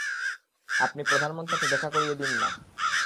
আপনি প্রধানমন্ত্রীর সাথে দেখা করিয়ে দিন না।